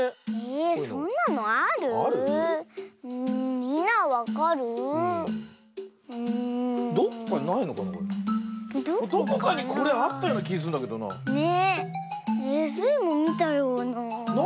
えっスイもみたような。